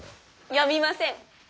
読みません。